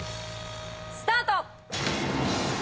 スタート！